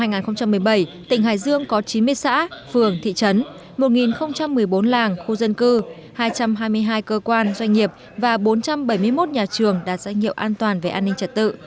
năm hai nghìn một mươi bảy tỉnh hải dương có chín mươi xã phường thị trấn một một mươi bốn làng khu dân cư hai trăm hai mươi hai cơ quan doanh nghiệp và bốn trăm bảy mươi một nhà trường đạt danh hiệu an toàn về an ninh trật tự